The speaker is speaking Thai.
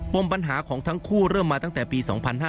มปัญหาของทั้งคู่เริ่มมาตั้งแต่ปี๒๕๕๙